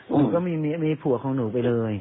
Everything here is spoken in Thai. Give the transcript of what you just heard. หนูก็มีผัวของหนูไปเลย